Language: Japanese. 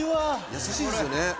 優しいですよね。